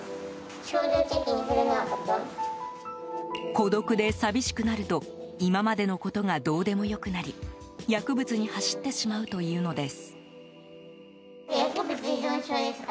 孤独で寂しくなると今までのことがどうでも良くなり薬物に走ってしまうというのです。